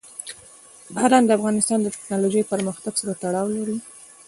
باران د افغانستان د تکنالوژۍ پرمختګ سره تړاو لري.